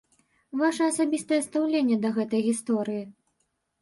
Ваша асабістае стаўленне да гэтай гісторыі?